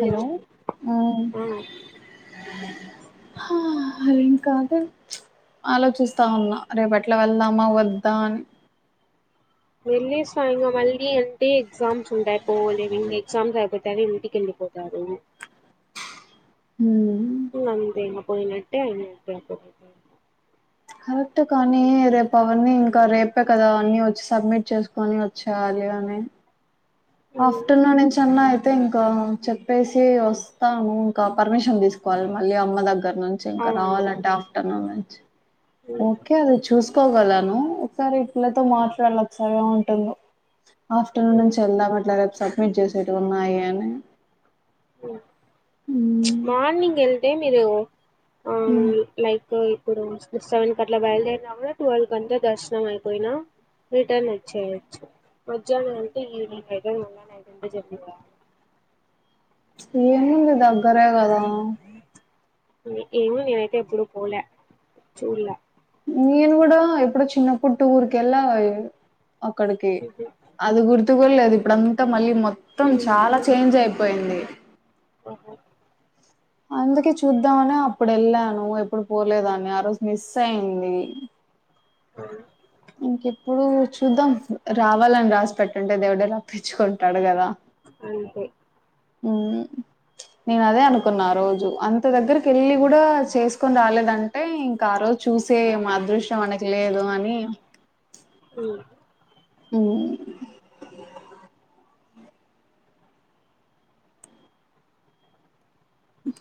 Hello ఆ, హా అదేం కాదు ఆలోచిస్తా ఉన్నా, రేపెట్లా వెళ్దామా వద్దా అని. ఎల్లెసరాఇంగా మళ్ళీ అంటే ఎగ్జామ్స్ ఉంటయి పోలేం, ఇంగ ఎగ్జామ్స్ అయిపోతనే ఇంటికెళ్ళిపోతారు. హ అంతేగా పోయి నట్టే ఎయి కరెక్ట్ కానీ రేపు అవన్ని ఇంకా రేపే కదా అన్న వచ్చి సబ్మిట్ చేసుకొని వచ్చేయాలి అని మ్మ్ ఆఫ్టర్నూన్ నుంచన్న అయితే ఇంకా చెప్పేసి వస్తాను ఇంకా పర్మిషన్ తీసుకోవాలి మళ్ళీ అమ్మ దగ్గర దగ్ నుంచి ఇంకా అవును రావాలంటే ఆఫ్టర్నూన్ అచ్చ మ్మ్ ఓకే అది చూస్ పోగలను ఒకసారి ఇల్లతో మాట్లాడసార ఉంటుంద ఆఫ్టర్నూన్ మ్మ్ నుంచిల్ సబ్మిట్ చేసేట్టు ఉన్నాయి అని ఓ మార్నింగ్ ఏ మీరు ఆ లైకు ఇ సెవెన్ క అట్లా బయలుదేరినా కూడా ట్వెల్ కంతా దర్శనం అయిపోయిన రిటర్న్ వచ్చేయొచ్చు మధ్యాహ్నం అంటే ఈవినింగ్ అయితది మళంటే జరి ఏ ఏను లేదా బర కదా ఏమ నేనైతే ఎప్పుడు పోలే చూడలా నేను కూడా ఎప్పుడ చిన్నప్పు ఊరుక ఎలా అక్కడికి అది గురి లేదు ఇప్పుడ అంతా మళ్ళీ మొత్ మొత్తం చాలా చేంజ్ అయిపోయింది. ఉ ఓహో అందుకే చూద్దామనే అప్పుడు వెళ్ళాను ఎప్పుడు పోలేదాన్ని ఆ రోజు మిస్ అయింది అవు ఇంకెప్పుడు చూద్దాం రావాలని రాసి పెట్టుంటే దేవుడే రప్పించుకుంటాడు కదా అంతే ఉ నేను అదే అనుకున్నా ఆ రోజు అంత దగ్గరికి వెళ్ళి కూడా చేసుకొని రాలేదంటే ఇంకా ఆ రోజు చూసే మా అదృష్ట్యం మనకి లేదు అని హ అ ఓక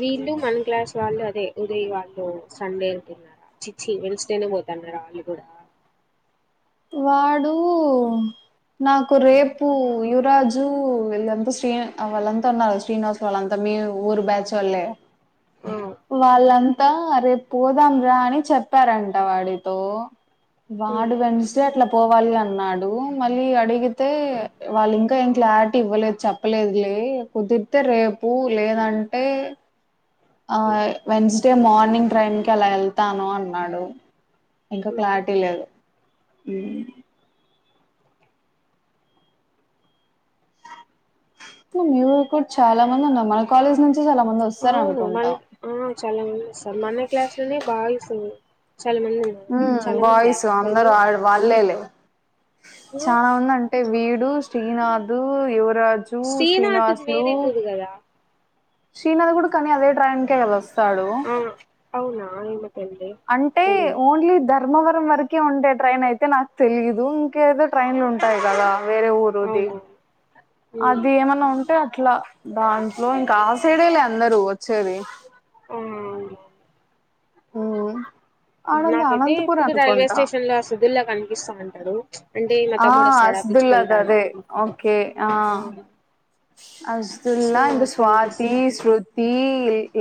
వీళ్లు మన క్లాస్ వాళ్ళు అ దే ఉదయ వాళ్ళు సండే అంటున్నారా చిచ్చి వెన్స్డేనే పోతున్నారా వాళ్ళు కూడా వాడు నాకు రేపు యువరాజు వీళ్ళంతా శ్రీని వాళ్ళంతా ఉన్నారు శ్రీనివాస్ వాళ్ళంతా మీ ఊరు బ్యాచ్ వాళ్లు ఆ హ్మ్. వాళ్ళంత అంత రేపు పోదాంరా అని చెప్పారంట వాడితో హ్మ్. వాడువెన్స్ ఇట్లా పోవాలి అన్నాడు మళ్ళీ అడిగి తే వాళ్ళు ఇంకా ఎం క్లారిటీ ఇవ్వలేదు చెప్పలేదు లే కుదిరితే రేపు లేదంటే ఆ వెన్స్డే మార్ని నింగ్ ట్రైమ్ కి అలా వెళ్తాను అన్నాడు ఇంకా క్లారిటీ లేదు ఉమ్ న్యూక్ కూడా చాలా మంది ఉన్నారు మన కాలేజ్ నుంచి చాలా మంది వస్తా అవును మన ఆ చాలా మంది వస్తారు మన క్లాస్లోనే బాయిస్ ఉంది ఉమ్ బాయస్ ఒకరు అందరూ వాళ్లేలే చానా మంది అంటే వీడు శ్రీనాథు యువ రాజు శ్రీనాథ్ది శ్రీనివాసులు వేరే ఊరు కదా శ్రీనాథ్ కూడా కానీ అదే ట్రైన్కే వస్తాడు నాంగు అంటే ఓన్లీ ద ధర్మవరం వరకే ఉండే ట్రైన్ అయితే నాకు తెలీదు ఇంకేదో ట్రైన్లు ఉంటాయి కదా వేరే ఊరుది అవునా ఆ అది ఏమన్నా ఉంటే అ అట్లా దాంట్లో ఇంకా ఆ సైడే లే అందరూ వచ్చేది ఉమ్ ఉమ్ ఆడంది నాకైతే అనంతపూర్ ఇప్పుడు రైల్వే అనుకుంటా స్టేషన్ లో ఆ సుదుల్లా కనిపిస్తా ఉంటారు అంటే మా ఆ తమ్ముడు వస్తాడు అస్దుల్లాది అదే పీల్చుకెళ్ళడానికి ఓకే ఆ సో కనిపిస్తా ఈ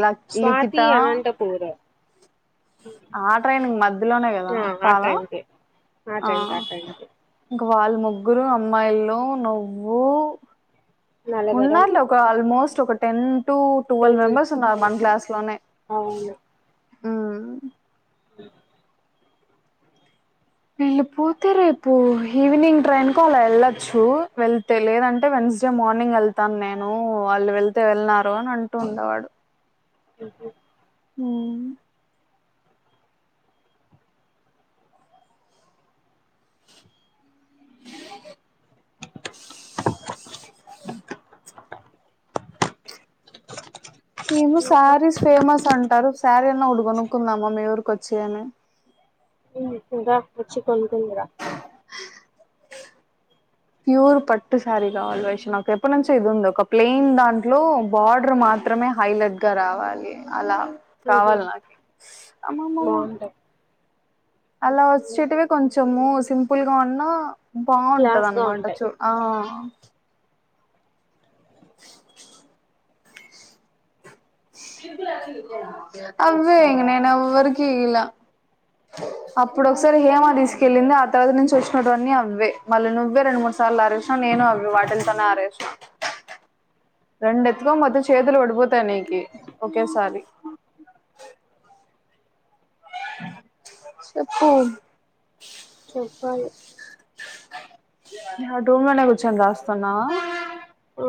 ల లిఖిత స్వాతి అనంతపూర్ ఆ ట్రైన్ ఇంగా మధ్యలోనే కదా ఆ ఆ కాదా ట్రైన్ కే ఆ ట్రైన్ ఆ ట్రైన్ కే వాళ్ళ ముగ్గురు అమ్మాయిలు నువ్వు నలగరం ఉన్నారులే ఒక ఆల్మోస్ట్ ఒక ten two twelve ten members ఉన్నారు మన క్లాస్ లోనే అవును ఉమ్ అ [unintelligible] వీళ్ళు పోతే రేపు ఈవినింగ్ ట్రైన్ కు అలా వెళ్ళొచ్చు వెళ్తే లేదంటే వెన్స్డే మార్నింగ్ వెళ్తాను నేను వాళ్ళు వెళ్తే వెళ్ళన్నారు అని అంటూ ఉండేవాడు ఉహూ ఊ ఏమో ఇంకా శారీస్ ఫేమస్ అంటారు శారీ అన్నా ఒకటి కొనుక్కుందామా మీ ఊరుకొ చ్చి అని ఊ ఇంకా వచ్చి కొనుక్కుందు రా ప్యూర్ పట్టు శారీ కావాలి వైషూ నాకు ఎప్పటి నుంచో ఇది ఉంది ఒక ప్లెయిన్ దాంట్లో బార్డర్ మాత్రమే హైలైట్ గా రావాలి అలా ఉహు కావాలి నాకి అమ్మా మా మా బాగుంటాయి అలా వచ్చేటివే కొంచెము సింపుల్ గా ఉన్నా బావుంటది క్లాస్ గా అన్నమాట ఉంటాయి చూ ఆ అవే ఇంక నేను ఎవ్వరికి ఇయలా అప్పుడు ఒకసారి హేమా తీసుకెళ్ళింది ఆ తర్వాత నుంచి వచ్చినటువన్నీ అవ్వే మళ్ళీ నువ్వే రెండు మూడు సార్లు ఆరేసావు నేను అవే వాటిలతోనే ఆరేసినా రెండు ఎత్తుకోని పోతే చేతులు పడిపోతాయి నీకి ఒకేసారి చెప్పు చెప్పాలి నా రూమ్ లోనే కూర్చొని రాస్తున్నావా ఆ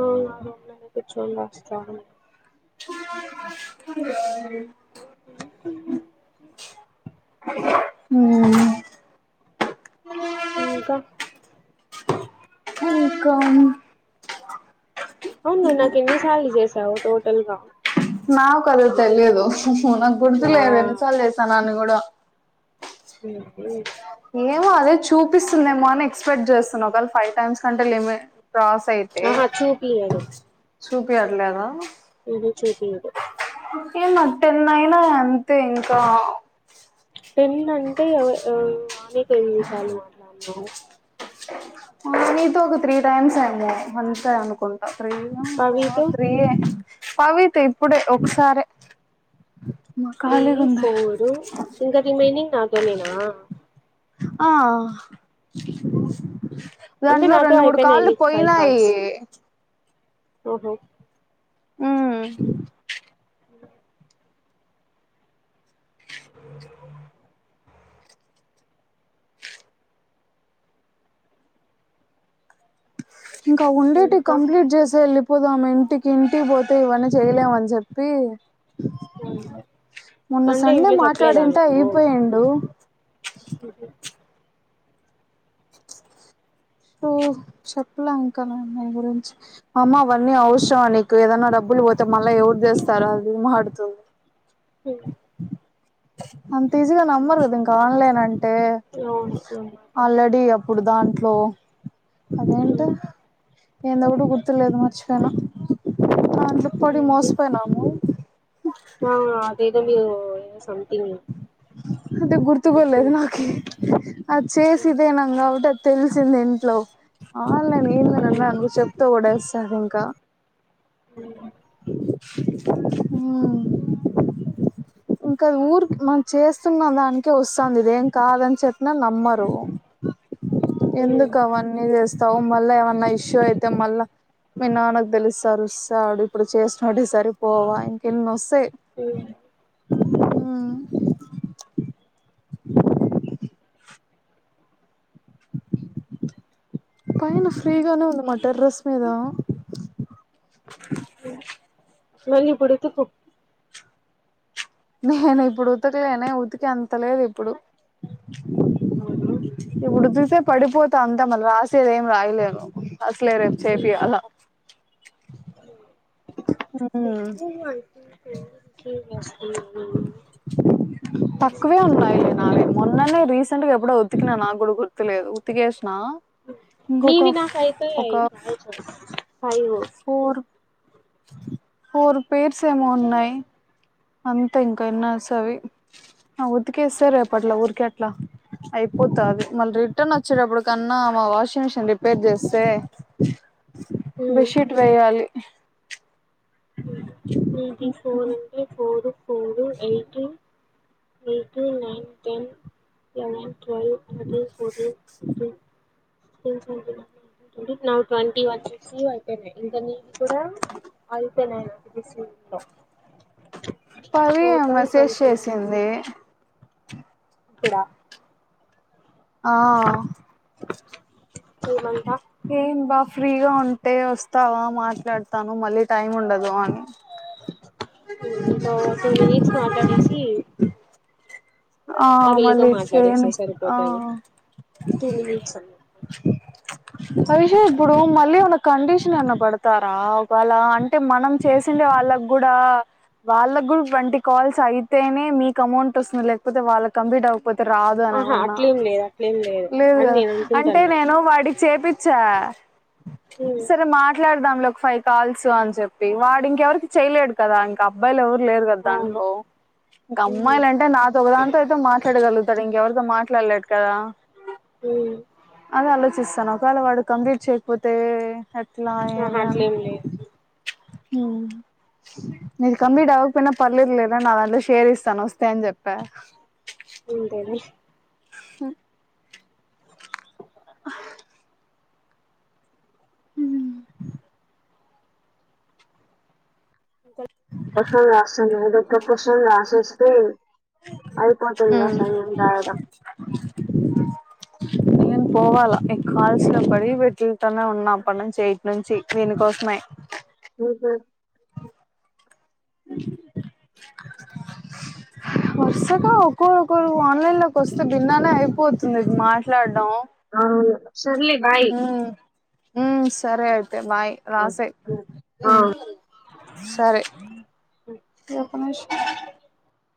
కూర్చోని రాస్తాఉన్న హ్మ్ ఇంకా ఇంకా అవును నాకు ఎన్ని సార్లు చేసినవు తావు టోటల్గా నాకు అదే తెలీదు నాకు ఆ గుర్తులేదు ఎన్ని సార్లు చేసాను అని కూడా ఊహూ ఏమో అదే చూపిస్తుందేమో అని ఎక్స్పెక్ట్ చేస్తున్నా ఒకవేళ ఫైవ్ టైమ్స్ కంటే లిమి ఆహా చూపిలేదు చూపియట్లేదా ఎది చూదిదు నీకే నా టెన్ అయినా అంతే ఇంకా టెన్ నువ్వుంటే ఊ ఆమెతో ఎన్నిసార్లు మాట్లాడినావ్ ఆ నీతో ఒక త్రీ టైమ్స్ [inaudible] అంతే అనుకుంటా తీ నా ఫా పవితో త్రీ యే పవ్వితో ఇప్పుడే ఒకసారే త్రీ ఫోర్ ఇంక రిమైనింగ్ నాతోనేనా ఆ అంటే వాంట్లో నాతో రెండు మూడు కాల్ అయిపోయినాయి లు నీకు ఫైవ్ పోయినాయి కాల్స్ ఓహో ఆ ఇంకా ఉండేటి ఇంకా కంప్లీట్ చేసే లిప్ పోదాము ఇంటికి ఇంటికి పోతే ఇవన్నీ చేయలేమని చెప్పి మొన్న అంటే సండే ఇంట్లో మాట్లాడింట అయిపోయిండు అఓకే సో చెప్పలే అంకల్ అమాయి గురించి మామ్మ అవన్నీ అవసరం నీకు ఏదనా డబ్బులు పోతే మళ్ళా ఎవరు తెస్తారో అది దమాడుతుంది హ అంత ఈజీగా నమ్మరు కదు ఇంకా ఆన్లైన్ అంటే అవును ఆల్రెడి అ ఇప్పుడు దాంట్లో అదేంట నేనుప్పుడు గుర్తులేదు మర్చిపోను అందుకు పడి ఏంటి మోసిపోయినాము ఆ అదే ఇద ఏ స అదే గుర్తుకల్లేదు నాకే అది చేసదే నంగా అట తెలిసింది ఇంట్లో ఆన్లైన్ ఏన్నా అందురు చెప్తా కూడా స ఇంకా ఉ ఆ ఇంకా ఊరికి మనం చేస్తున్న దానికే వస్తుంది ఇదేం కాదని చెప్పిన నమ్మరు ఎందుకు అవన్నీ చేస్తా స్టవ మళ్ళా ఏమన్నా ఇష్యూ అయితే మళ్ళా మీ నాన్నకు తెలుస్తారుస్తాడు ఇప్పుడు చేసినోడు సరిపోవా ఇంకెళ వస్త స ఆ పైన ఫ్రీగానే ఉంది మ టెర్రస్ మీద మళీ పడుతుకు నేను ఇప్పుడు ఉతకలేనే ఉతికి ఎంత లేదు ఇప్పుడు అవునా ఇ ఉడుదు ే పడిపోత అంతా మళ్ రాసేది ఏం రాయలేదు అస్లే రేపు ఐ చేపి అలా థింక్ అన్ని రిసీవ్ చేస్తున్నాను తక్కువే ఉన్నాయిలే నవే మొన్ననే రీస ఎప్పుడ ఉతికినా నాకు కూడా గుర్తులేదు ఉతికేస్త మావి నాక్ అయితై [inaudible] ఒక ఫైవో ఫోర్ ఫోర్ పేర్స్ ఏమో ఉన్నాయి అంతా ఇం కన్నాసవి ఉతికేస్తా రెప్ అట్లా ఊరికే అట్లా అయి పోతది మళ్ళీ రిటర్న్ వచ్చేటప్పుడు కన్నా మా వాషింగ్ మిషన్ రిపేర్ చేస్తే ఉమ్ బెడ్ షీట్ వేయాలి నిధి ఫోర్ ఉంటాయి four four eight eight nine ten eleven నా ట్వంటీ వన్ అయిపోయినాయి ఇంకా నేను కూడా అయిపోయినాయి నా పవి ఆ మెసేజ్ చేసింది ప్పుడా ఆ కే అంత ఏం బా ఫ్రీగా ఉంటే వస్తావా మాట్లాడతాను మళ్ళీ టైం ఉండదు అని కా తూ మీక్స్ మాట్లాడేసి ఆ వీళ్ళతో మళ్ళీ మాట్లాడేస్తే చేయని ఆ సరిపోతది టూ మినిట్స్ అన్న హరీష్ ఇప్పుడు మళ్ళీ ఉన్న కండిషన్ ఏన్న పడతారా ఒకవేళ అంటే మనం చేసిండే వాళ్ళకు కూడా వాళ్ళకి కూడా ట్వంటీ కాల్స్ అయితేనే మీకు అమౌంట్ వస్తుంది లే కొతే వాలక్ కంప్లీట్ అవక పోతే రాదు అని ఆహా ఏమన్నా అట్లేం లేదు అట్లేం లేదు అని కదా నేను అంటే అనుకుంటున్నా నేను వాడి చెపిచ ఉమ్ సరే మాట్లాడదాం ఒక ఫైవ్ కాల్స్ అని చెప్పి వాడు ఇంకెవరికి చేయలేడు కదా ఇంకా అబ్బాయిలు ఎవరు లేదు కదా అవును దాంట్లో ఇంకా ఉమ్ అమ్మాయిలు అంటే నా దాంతో అయితే మాట్లాడగలుగుతా ఇం ఎవరుతో మాట్లాడలేదు కదా ఉమ్ అదే అలా సావ్స్తాను ఒకవే వాడు కంప్లీట్ చేయకపోతే ఆహా అట్లేం లేదు ఇ కంలీట్ అకపోన్న పర్లేర్లే నాంత షేర్ ఇస్తాను వస్తే అని చెప్ప బ అంతేలే స అ ప్రసంగా వస తప్పసం రాసి వస్తే అయిపోతేంది రాసయం ఉంటయడం నను పోవాలా కాల్స్ లో బడి పెట్ ఉన్నా పని చేయ నుంచి దీనికోసమే హహ వస్తాదా ఒకోరుకరు ఆన్లైన్ లోకి వస్తు విన్ననే అయిపోద్ది ఇ మాట్లాడ్డం అవును సర్లే బాయ్ హ సరే అయ్ తె బాయ్ రాసే ఆ సరే పష్కా [unintelligible]